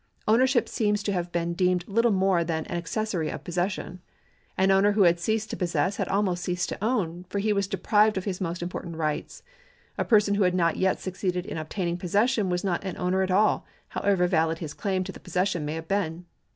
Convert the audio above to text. Ownership seems to have been deemed little more than an accessory of possession. An owner who had ceased to possess had almost ceased to own, for he was deprived of his most important rights. A person who had not yet succeeded in obtaining possession was not an owner at all, however valid his claim to the possession may have been.